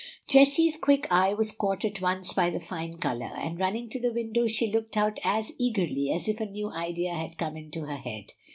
Jessie's quick eye was caught at once by the fine color, and running to the window she looked out as eagerly as if a new idea had come into her head.